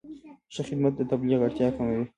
ښه خدمت د تبلیغ اړتیا کموي.